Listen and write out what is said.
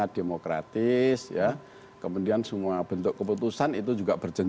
jadi mungkin lebih banyak yang mengucapkan dalam pronoun loving dan love